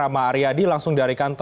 baik silakan rian